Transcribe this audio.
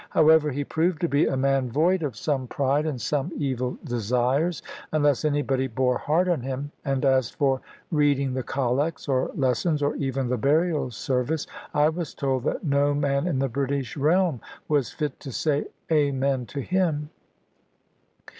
However, he proved to be a man void of some pride and some evil desires, unless anybody bore hard on him; and as for reading the collects, or lessons, or even the burial service, I was told that no man in the British realm was fit to say "Amen" to him.